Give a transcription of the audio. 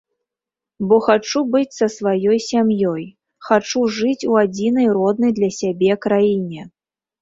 Бо хачу быць са сваёй сям'ёй, хачу жыць у адзінай роднай для сябе краіне.